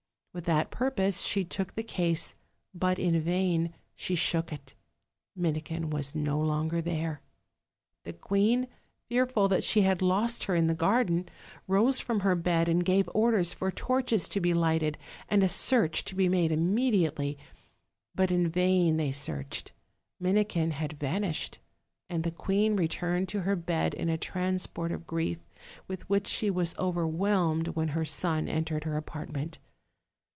With that purpose she took the case; but in vain she shook it Minikin was no longer there. The queen, fearful that she had lost her in the garden, rose from her bed and gave orders for torches to be lighted and a search to be made immediately } but in vain they searched; OLD, OLD FAIRY TALES. 293 Minikin had vanished, and the queen returned to her bed in a transport of grief, with which she was over Avhelmed when her son entered her apartment.